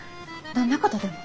どんなことでも。